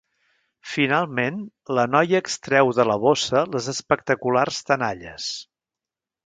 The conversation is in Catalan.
Finalment, la noia extreu de la bossa les espectaculars tenalles.